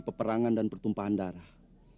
peperangan dan pertumpahan darah